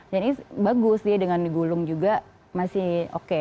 jadi bagus dia dengan digulung juga masih oke